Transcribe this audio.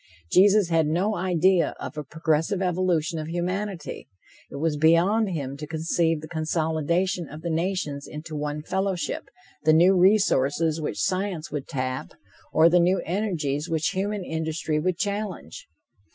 Jesus had no idea of a progressive evolution of humanity. It was beyond him to conceive the consolidation of the nations into one fellowship, the new resources which science would tap, or the new energies which human industry would challenge.